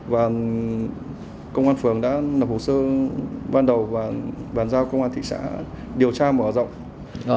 và công an phường đã lập hồ sơ ban đầu và bàn giao công an thị xã điều tra mở rộng